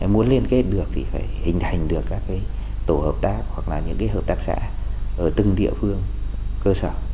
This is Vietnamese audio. muốn liên kết được thì phải hình thành được các tổ hợp tác hoặc là những cái hợp tác xã ở từng địa phương cơ sở